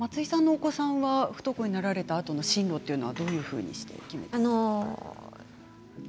松居さんのお子さんは不登校になられたあとの進路どういうふうに決めたんですか。